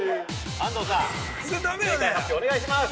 ◆安藤さん、正解発表、お願いします！